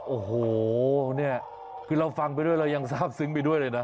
โอ้โหเนี่ยคือเราฟังไปด้วยเรายังทราบซึ้งไปด้วยเลยนะ